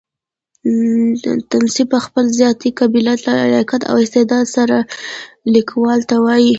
تصنیف په خپل ذاتي قابلیت، لیاقت او استعداد سره؛ ليکلو ته وايي.